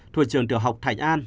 thuộc trường tiểu học thạnh an